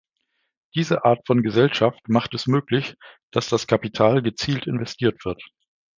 Diese Art von Gesellschaft macht es möglich, dass das Kapital gezielt investiert wird.